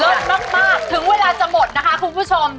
มากถึงเวลาจะหมดนะคะคุณผู้ชม